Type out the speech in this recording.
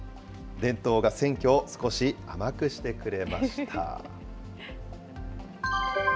伝統が選挙を少し甘くしてくれました。